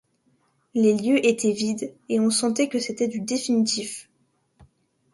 Les lieux étaient vides, et on sentait que c’était du définitif.